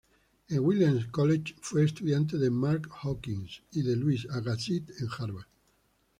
En Williams College fue estudiante de Mark Hopkins y de Louis Agassiz en Harvard.